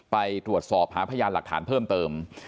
ไปตรวจสอบหาพยานหลักฐานเพิ่มเติม